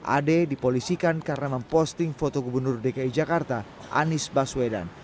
ade dipolisikan karena memposting foto gubernur dki jakarta anies baswedan